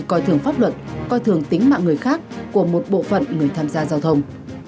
coi thường pháp luật coi thường tính mạng người khác của một bộ phận người tham gia giao thông